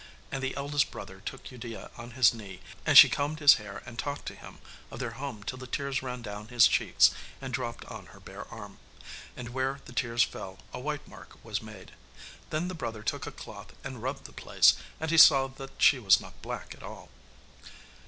And the eldest brother took Udea on his knee, and she combed his hair and talked to him of their home till the tears ran down his cheeks and dropped on her bare arm. And where the tears fell a white mark was made. Then the brother took a cloth and rubbed the place, and he saw that she was not black at all.